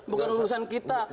bukan urusan kita